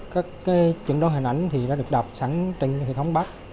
các cái trận đấu hình ảnh thì đã được đọc sẵn trên hệ thống bắt